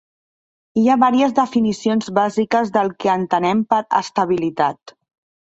Hi ha vàries definicions bàsiques del que entenem per estabilitat.